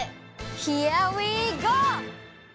ヒアウィーゴー！